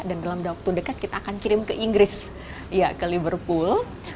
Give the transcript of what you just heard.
dan dalam waktu dekat kita akan kirim ke inggris ke liverpool